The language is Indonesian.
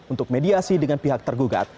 untuk mediasi dengan pihak tergugat